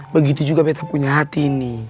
begitu juga peta punya hati nih